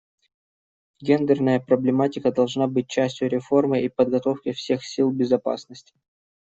Гендерная проблематика должна быть частью реформы и подготовки всех сил безопасности.